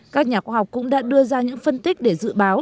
các nhà khoa học cũng đã đưa ra những phân tích để dự báo